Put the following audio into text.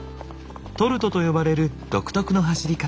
トルトと呼ばれる独特の走り方。